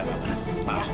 enggak ada apa apa rat